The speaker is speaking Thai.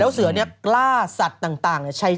แล้วเสือเนี่ยกล้าสัตว์ต่างเนี่ย